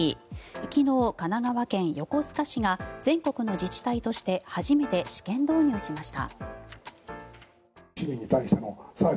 昨日、神奈川県横須賀市が全国の自治体として初めて試験導入しました。